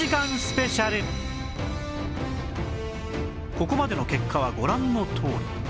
ここまでの結果はご覧のとおり